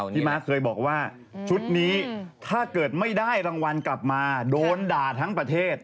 ม้าเคยบอกว่าชุดนี้ถ้าเกิดไม่ได้รางวัลกลับมาโดนด่าทั้งประเทศ